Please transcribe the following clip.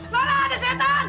laura ada setan